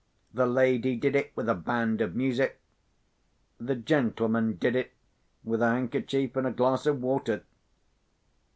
The lady did it, with a band of music. The gentleman did it, with a handkerchief and a glass of water.